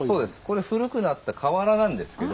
これ古くなった瓦なんですけど。